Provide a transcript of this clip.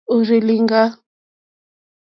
Òrzì lìŋɡá.